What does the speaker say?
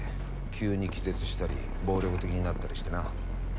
急に気絶したり暴力的になったりしてな。